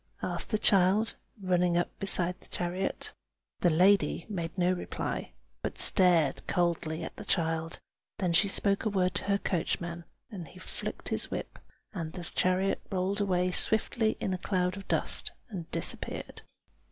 asked the child, running up beside the chariot. The lady made no reply, but stared coldly at the child: then she spoke a word to her coachman, and he flicked his whip, and the chariot rolled away swiftly in a cloud of dust, and disappeared.